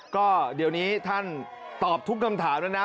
ก็เดี๋ยวนี้ท่านตอบทุกคำถามแล้วนะ